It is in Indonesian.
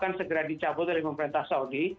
yang segera dicabut dari pemerintah saudi